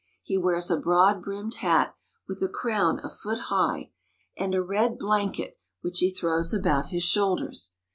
He wears a broad brimmed hat with a crown a foot hieh, and a red blanket, which he throws about his shoulders.